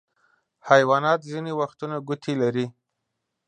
حیوانات ځینې وختونه ګوتې لري.